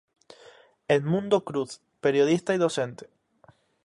Edmundo Cruz, periodista y docente.